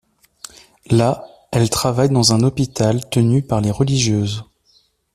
Là, elle travaille dans un hôpital tenu par les religieuses.